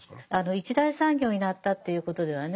一大産業になったということではね